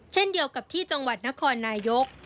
เช่นเดียวกับที่จังหวัดนครนายก